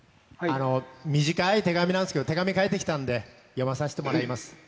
短い手紙なんですけど、手紙書いてきたんで、読まさせてもらいます。